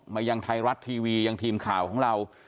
มายังไทยรัฐทีวียังทีมข่าวของเรา